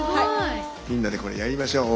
みんなでこれやりましょう。